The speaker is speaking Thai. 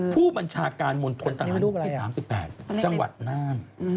ผู้บัญชาการมนตรฐานที่๓๘จังหวัดน้ำ